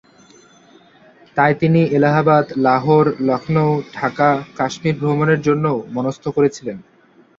তাই তিনি এলাহাবাদ, লাহোর, লখনউ, ঢাকা, কাশ্মীর ভ্রমণের জন্যও মনস্থ করেছিলেন।